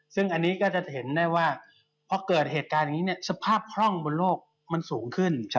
ซึ่งอันนี้ก็จะเห็นได้ว่าพอเกิดเหตุการณ์อย่างนี้สภาพคล่องบนโลกมันสูงขึ้น